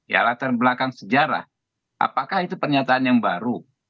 ya latar belakang sejarah apakah itu pernyataan yang baru